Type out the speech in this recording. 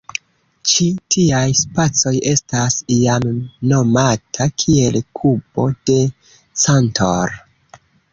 Ĉi tiaj spacoj estas iam nomata kiel kubo de Cantor.